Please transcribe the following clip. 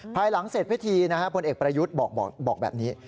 ภายหลังเสร็จพิธีพลเอกประยุทธ์บอกแบบนี้